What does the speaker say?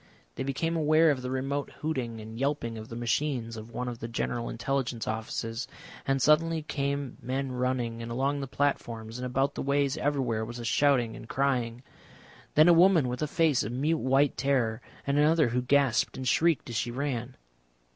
They became aware of the remote hooting and yelping of the machines of one of the General Intelligence Offices, and suddenly came men running, and along the platforms and about the ways everywhere was a shouting and crying. Then a woman with a face of mute white terror, and another who gasped and shrieked as she ran.